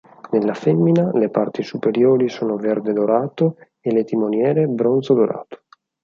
Nella femmina le parti superiori sono verde-dorato e le timoniere bronzo-dorato.